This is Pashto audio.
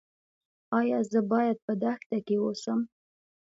ایا زه باید په دښته کې اوسم؟